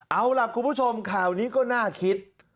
เอาล่ะคุณผู้ชมข่าวนี้ก็น่าคิด